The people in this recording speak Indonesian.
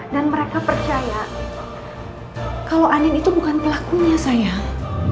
dan mereka percaya kalau adin itu bukan pelakunya sayang